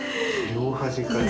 両端から。